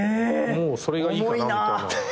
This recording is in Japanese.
もうそれがいいかなみたいな。